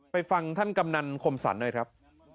ไปฟังท่านกำนันคมสรรค์ด้วยครับ